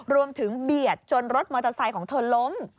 เบียดจนรถมอเตอร์ไซค์ของเธอล้ม